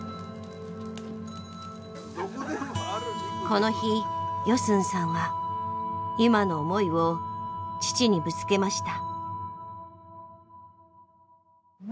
この日ヨスンさんは今の思いを父にぶつけました。